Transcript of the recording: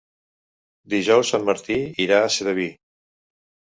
Dijous en Martí irà a Sedaví.